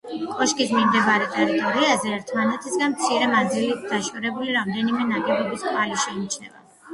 კოშკის მიმდებარე ტერიტორიაზე ერთმანეთისაგან მცირე მანძილით დაშორებული რამდენიმე ნაგებობის კვალი შეიმჩნევა.